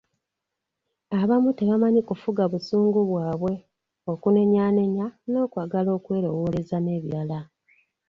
Abamu tebamanyi kufuga busungu bwabwe, okunenyaanenya, n’okwagala okwewolereza n’ebirala .